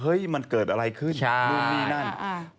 เฮ้ยมันเกิดอะไรขึ้นนู่นนี่นั่นใช่